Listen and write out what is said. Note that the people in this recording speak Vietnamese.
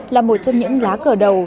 là một trong những lá cờ đầu